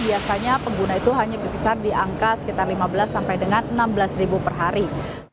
biasanya pengguna itu hanya berkisar di angka sekitar lima belas sampai dengan enam belas ribu per hari